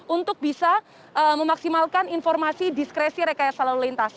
untuk bisa memaksimalkan informasi diskresi rekayasa lalu lintas